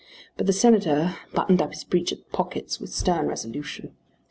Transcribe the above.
But the Senator buttoned up his breeches pockets with stern resolution.